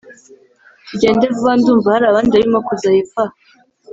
tugende vuba ndumva harabandi barimo kuza hepfo aha